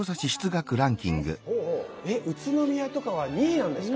え宇都宮とかは２位なんですか？